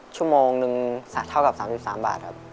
ชั่วโมงนึงเท่ากับ๓๓บาทครับ